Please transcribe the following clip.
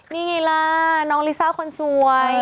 นี่ไงล่ะน้องลิซ่าคนสวย